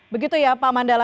begitu ya pak mandala